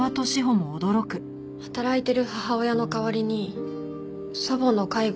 働いてる母親の代わりに祖母の介護をしてたの。